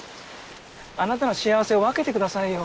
あなたの幸せを分けてくださいよ。